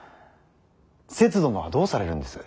せつ殿はどうされるんです。